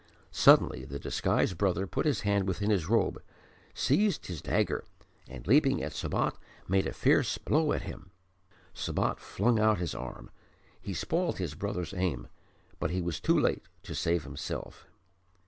Suddenly the disguised brother put his hand within his robe, seized his dagger, and leaping at Sabat made a fierce blow at him. Sabat flung out his arm. He spoilt his brother's aim, but he was too late to save himself.